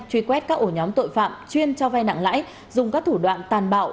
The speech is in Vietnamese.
truy quét các ổ nhóm tội phạm chuyên cho vay nặng lãi dùng các thủ đoạn tàn bạo